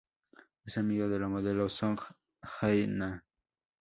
Es amiga de la modelo Song Hae-na.